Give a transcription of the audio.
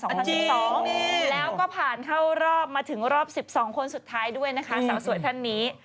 แล้วก็ผ่านเข้ารอบมาถึงรอบ๑๒คนสุดท้ายด้วยนะคะสาวสวยท่านนี้